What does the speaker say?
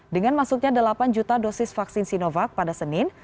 dengan masuknya delapan juta dosis vaksin sinovac pada senin